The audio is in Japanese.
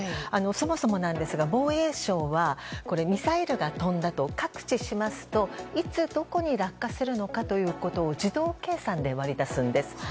そもそもですが、防衛省はミサイルが飛んだと覚知しますといつどこに落下するのかというのを自動計算で割り出されます。